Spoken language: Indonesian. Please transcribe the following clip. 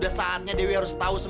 ada apa sih bu